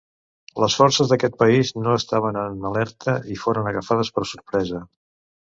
Les forces d'aquest país no estaven en alerta i foren agafades per sorpresa.